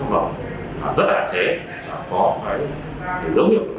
rất trẻ có thường hợp